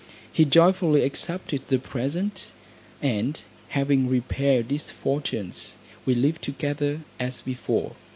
He joyfully accepted the present, and having repaired his fortunes, we lived together, as before.